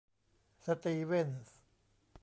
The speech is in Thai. สตีเว่นส์